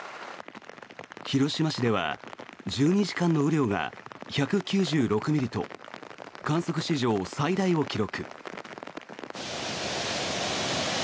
広島市では１２時間の雨量が１９６ミリと観測史上最大を記録。